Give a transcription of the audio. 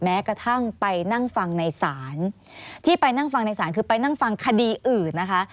แม้กระทั่งไปนั่งฟังในศาลที่ไปนั่งฟังในศาลคือไปนั่งฟังคดีอื่นนะคะ